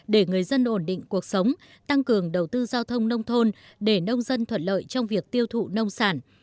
để người dân ổn định cuộc sống tăng cường đầu tư giao thông nông thôn để nông dân thuận lợi trong việc tiêu thụ nông sản